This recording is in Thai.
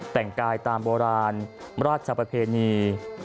แต่งกายตามโบราณราชประเพณี